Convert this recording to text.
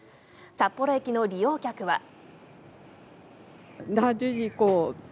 札幌駅の利用客は。